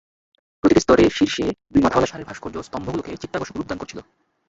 প্রতিটি স্তম্ভের শীর্ষে দুই মাথাওয়ালা ষাঁড়ের ভাস্কর্য স্তম্ভগুলোকে চিত্তাকর্ষক রূপ দান করেছিল।